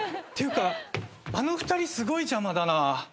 っていうかあの２人すごい邪魔だなぁ。